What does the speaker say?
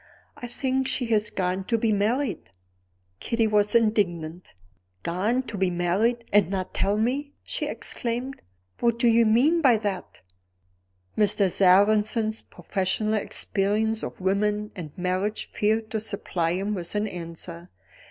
"I think she has gone to be married." Kitty was indignant. "Gone to be married, and not tell me!" she exclaimed. "What do you mean by that?" Mr. Sarrazin's professional experience of women and marriages failed to supply him with an answer.